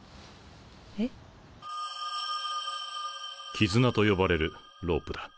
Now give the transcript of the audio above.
キズナと呼ばれるロープだ。